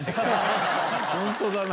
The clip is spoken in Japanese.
本当だな。